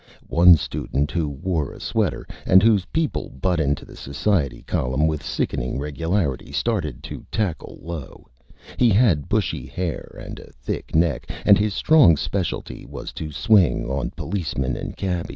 One Student, who wore a Sweater, and whose people butt into the Society Column with Sickening Regularity, started to Tackle Low; he had Bushy Hair and a Thick Neck, and his strong Specialty was to swing on Policemen and Cabbies.